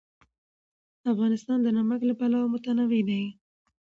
افغانستان د نمک له پلوه متنوع دی.